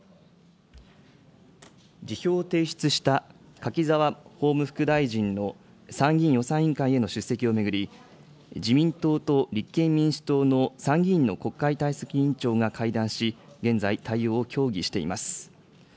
辞表を提出した柿沢法務副大臣の参議院予算委員会への出席をに、自民党と立憲民主党の参議院の国会対策委員長が会談し、現在、対応を協議しています。